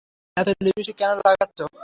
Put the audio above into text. এতো লিপস্টিক কেন লাগাচ্ছ?